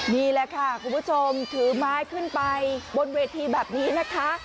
นี่แหละค่ะคุณผู้ชมถือไม้ขึ้นไปบนเวทีแบบนี้นะคะ